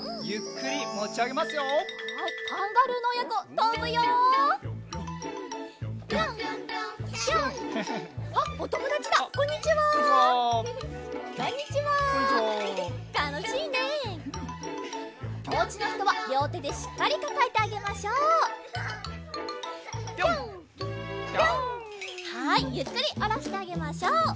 ゆっくりおろしてあげましょう。